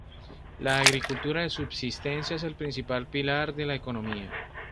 La agricultura de subsistencia es el principal pilar de la economía.